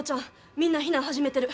みんな避難始めてる。